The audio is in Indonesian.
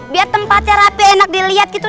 biar tempatnya rapi enak dilihat gitu